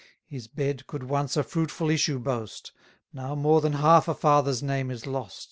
His bed could once a fruitful issue boast; Now more than half a father's name is lost.